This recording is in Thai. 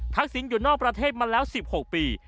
สินอยู่นอกประเทศมาแล้ว๑๖ปี